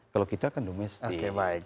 kalau kita kan domestik